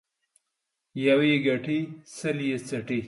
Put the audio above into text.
يو يې گټي ، سل يې څټي.